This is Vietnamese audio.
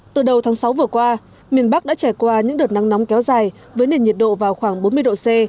từ đầu tháng sáu vừa qua miền bắc đã trải qua những đợt nắng nóng kéo dài với nền nhiệt độ vào khoảng bốn mươi độ c